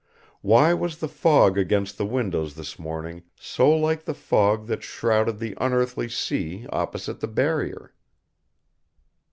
Why was the fog against the windows this morning so like the fog that shrouded the unearthly sea opposite the Barrier?